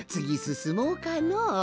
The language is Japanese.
すもうかの。